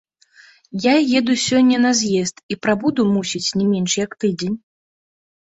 Я еду сёння на з'езд і прабуду, мусіць, не менш як тыдзень.